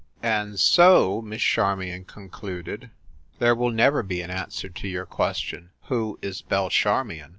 "And so," Miss Charmion concluded, "there will never be an answer to your question Who is Belle Charmion